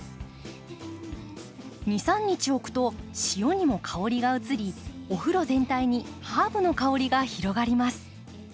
２３日おくと塩にも香りが移りお風呂全体にハーブの香りが広がります。